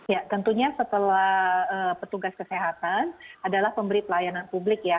ya tentunya setelah petugas kesehatan adalah pemberi pelayanan publik ya